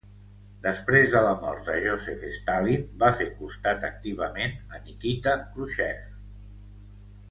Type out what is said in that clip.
Després de la mort de Joseph Stalin, va fer costat activament a Nikita Khruschev.